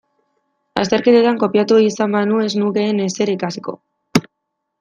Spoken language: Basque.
Azterketetan kopiatu izan banu ez nukeen ezer ikasiko.